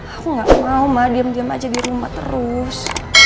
aku gak mau ma diem diem aja di rumah terus